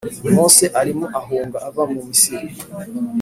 Mose arimo ahunga ava mu Misiri